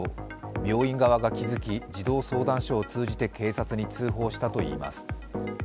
病院側が気付き、児童相談所を通じて警察に通報したといいます。